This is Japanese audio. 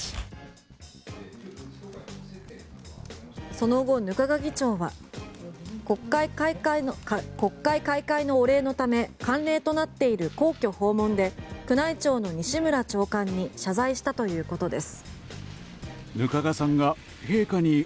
その後、額賀議長は国会開会のお礼のため慣例となっている皇居訪問で宮内庁の西村長官に謝罪したということです。